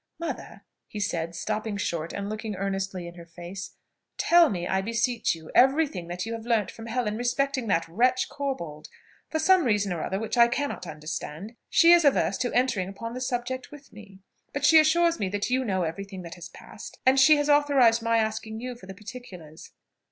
"Mother!" he said stopping short and looking earnestly in her face, "tell me, I beseech you, every thing that you have learnt from Helen respecting that wretch Corbold. For some reason or other which I cannot understand, she is averse to entering upon the subject with me; but she assures me that you know every thing that has passed, and she has authorized my asking you for the particulars."